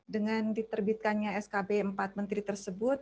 dengan diterbitkannya skb empat menteri tersebut